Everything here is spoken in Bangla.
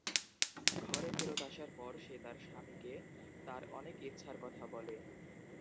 ঘরে ফেরত আসার পর সে তার স্বামীকে তার অনেক ইচ্ছার কথা বলে।